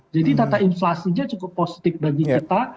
jadi data inflasinya cukup positif bagi kita